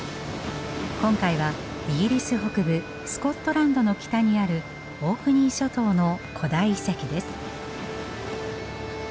今回はイギリス北部スコットランドの北にあるオークニー諸島の古代遺跡です。